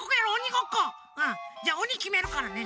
うんじゃあおにきめるからね。